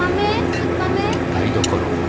・酸っぱめ。